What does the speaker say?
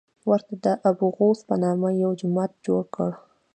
ورته د ابوغوث په نامه یو جومات جوړ کړی.